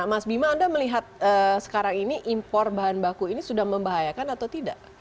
mas bima anda melihat sekarang ini impor bahan baku ini sudah membahayakan atau tidak